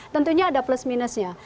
tentunya ada plus minusnya